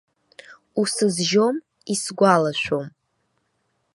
Усызжьом, исгәалашәом.